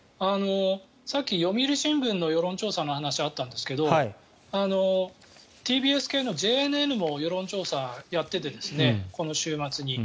さっき読売新聞の世論調査の話があったんですけどＴＢＳ系のＪＮＮも世論調査をやっていてこの週末に。